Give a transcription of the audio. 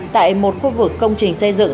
tại một khu vực công trình xây dựng